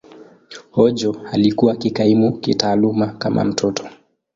Ojo alikuwa akikaimu kitaaluma kama mtoto.